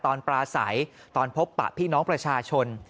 ปลาใสตอนพบปะพี่น้องประชาชน